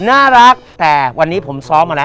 น่ารักแต่วันนี้ผมซ้อมมาแล้ว